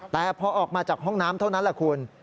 แต่พอออกมาจากห้องน้ำเท่านั้นแหละคุณ